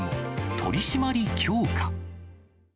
取締り強化。